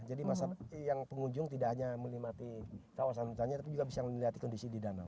masyarakat yang pengunjung tidak hanya menikmati kawasan hutannya tapi juga bisa melihat kondisi di danau